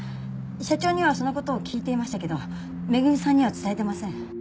社長にはその事を聞いていましたけど恵さんには伝えてません。